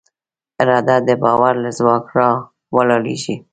اراده د باور له ځواک راولاړېږي.